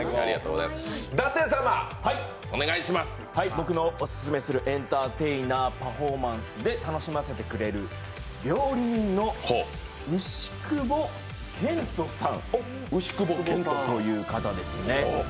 僕のオススメする、エンターテイナーパフォーマンスで楽しませてくれる料理人の牛窪健人さんという方ですね。